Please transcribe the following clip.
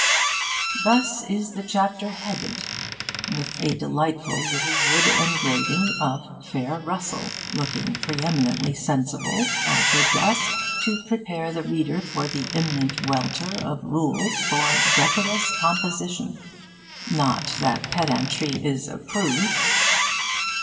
Thus is the chapter headed, with a delightful little wood engraving of 'Fair Russell,' looking pre eminently sensible, at her desk, to prepare the reader for the imminent welter of rules for 'decorous composition.' Not that pedantry is approved.